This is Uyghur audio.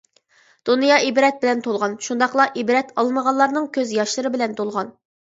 دۇنيا ئىبرەت بىلەن تولغان، شۇنداقلا ئىبرەت ئالمىغانلارنىڭ كۆز ياشلىرى بىلەن تولغان.